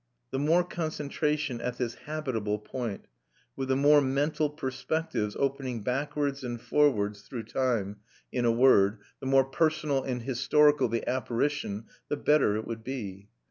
The more concentration at this habitable point, with the more mental perspectives opening backwards and forwards through time, in a word, the more personal and historical the apparition, the better it would be.